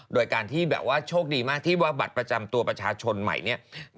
โดยการที่แบบว่าโชคดีมากที่ว่าบัตรประจำตัวประชาชนใหม่เนี่ย